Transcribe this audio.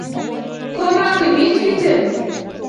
Коракым ит кӱтӧ!..